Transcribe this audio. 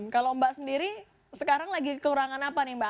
kalau mbak sendiri sekarang lagi kekurangan apa nih mbak